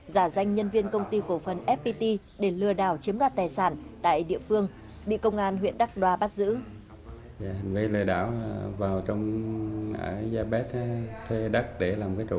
giả danh nhân viên công ty cổ phần fpt để lừa đảo chiếm đoạt tài sản tại địa phương bị công an huyện đắk đoa bắt giữ